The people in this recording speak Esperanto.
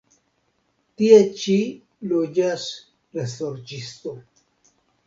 Tie ĉi loĝas la sorĉisto.